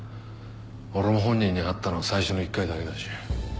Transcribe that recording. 俺も本人に会ったのは最初の１回だけだし。